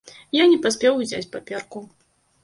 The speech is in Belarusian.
Я не паспеў узяць паперку.